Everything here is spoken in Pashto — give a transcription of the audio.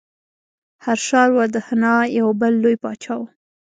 هرشا وردهنا یو بل لوی پاچا و.